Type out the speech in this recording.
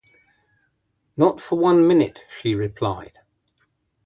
‘Not for one minute,’ she replied.